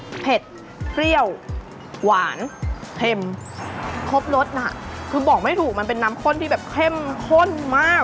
เผ็ดเปรี้ยวหวานเค็มครบรสน่ะคือบอกไม่ถูกมันเป็นน้ำข้นที่แบบเข้มข้นมาก